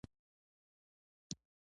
الګو باید صادق وي